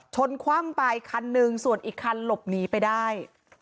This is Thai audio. คว่ำไปคันหนึ่งส่วนอีกคันหลบหนีไปได้